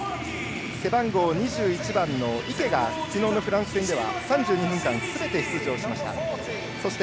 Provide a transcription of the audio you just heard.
背番号２１番の池がきのうのフランス戦では３２分間すべて出場しました。